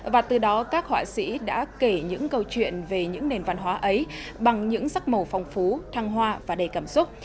và từ đó các họa sĩ đã kể những câu chuyện về những nền văn hóa ấy bằng những sắc màu phong phú thăng hoa và đầy cảm xúc